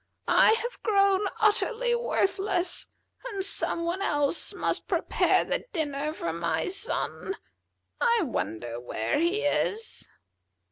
I have grown utterly worthless, and some one else must prepare the dinner for my son. I wonder where he is."